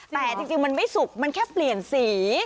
แต่จริงมันไม่สุกมันแค่เปลี่ยนสี